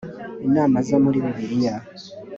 inama zo muri bibiliya